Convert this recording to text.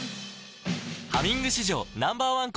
「ハミング」史上Ｎｏ．１抗菌